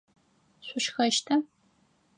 Шъущхэщта?